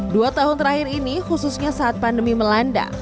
dua tahun terakhir ini khususnya saat pandemi melanda